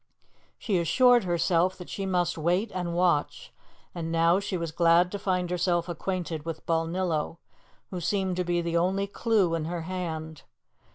She assured herself that she must wait and watch; and now she was glad to find herself acquainted with Balnillo, who seemed to be the only clue in her hand.